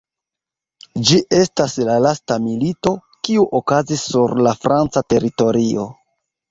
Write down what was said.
Ĝi estas la lasta milito, kiu okazis sur la franca teritorio.